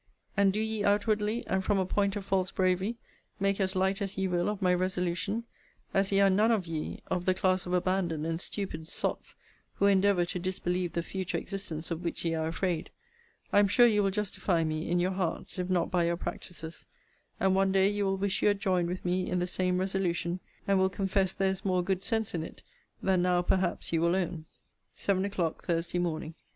And do ye outwardly, and from a point of false bravery, make as light as ye will of my resolution, as ye are none of ye of the class of abandoned and stupid sots who endeavour to disbelieve the future existence of which ye are afraid, I am sure you will justify me in your hearts, if not by your practices; and one day you will wish you had joined with me in the same resolution, and will confess there is more good sense in it, than now perhaps you will own. SEVEN O'CLOCK, THURSDAY MORNING.